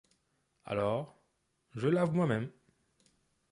Alors, je lave moi-même.